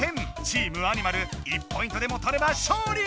チームアニマル１ポイントでもとれば勝利！